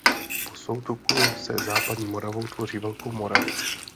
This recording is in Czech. Po soutoku se Západní Moravou tvoří Velkou Moravu.